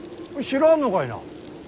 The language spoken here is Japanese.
知らんのかいな。